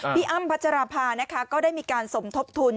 อ้ำพัชราภานะคะก็ได้มีการสมทบทุน